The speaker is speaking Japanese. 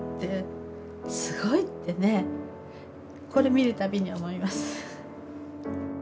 これ見るたびに思います。